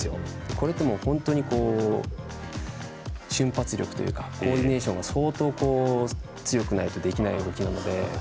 これって、本当に瞬発力というかコーディネーションが相当、強くないとできない動きなんで。